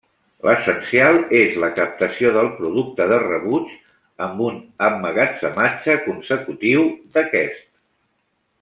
L'essencial és la captació del producte de rebuig amb un emmagatzematge consecutiu d'aquest.